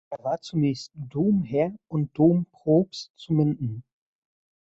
Er war zunächst Domherr und Dompropst zu Minden.